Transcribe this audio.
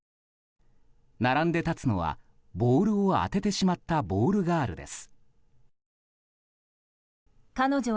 並んで立つのはボールを当ててしまったボールガールです。